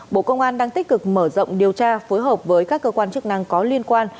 bộ công an đang tích cực mở rộng điều tra phối hợp với các cơ quan chức năng có liên quan